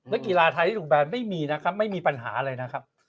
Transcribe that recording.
กีฬาไทยที่ถูกแบนไม่มีนะครับไม่มีปัญหาเลยนะครับ